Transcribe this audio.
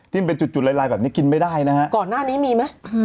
มันเป็นจุดจุดลายลายแบบนี้กินไม่ได้นะฮะก่อนหน้านี้มีไหม